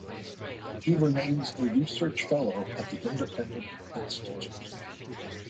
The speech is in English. He remains a Research Fellow at the Independent Institute.